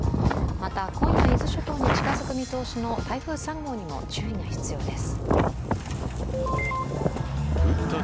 また、今夜、伊豆諸島に近づく見通しの台風３号にも注意が必要です。